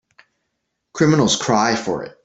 Criminals cry for it.